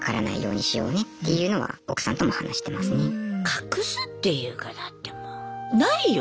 隠すっていうかだってもうないよ